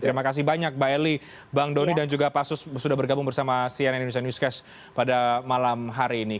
terima kasih banyak mbak eli bang doni dan juga pak sus sudah bergabung bersama cnn indonesia newscast pada malam hari ini